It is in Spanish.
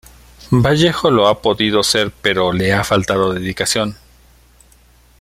Vallejo lo ha podido ser pero le ha faltado dedicación.